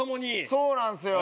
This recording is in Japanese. そうなんすよ。